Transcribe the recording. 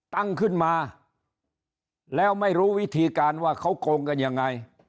ตั้งขึ้นมาแล้วไม่รู้วิธีการว่าเขาโกงกันยังไง